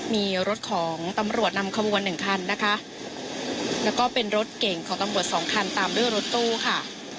มีรถของตำรวจนำขบวนหนึ่งคันนะคะแล้วก็เป็นรถเก่งของตำรวจสองคันตามด้วยรถตู้ค่ะ